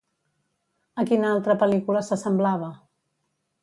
A quina altra pel·lícula s'assemblava?